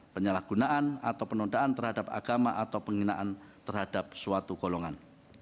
penyalahgunaan atau penodaan terhadap agama atau penghinaan terhadap suatu golongan